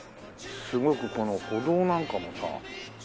すごくこの歩道なんかもさ。